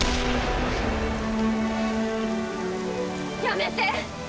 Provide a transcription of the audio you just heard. やめて！